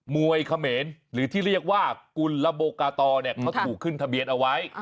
มวยเขมรหรือที่เรียกว่าคุณระโบปาตอต้องถูกขึ้นทะเบียนเอาไว้